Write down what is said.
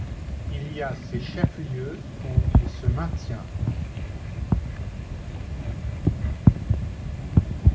Il a ses chefs-lieux où il se maintient.